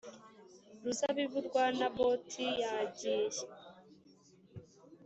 ruzabibu rwa Naboti yagiye